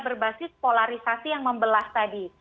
berbasis polarisasi yang membelah tadi